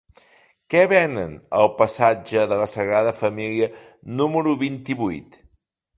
Què venen al passatge de la Sagrada Família número vint-i-vuit?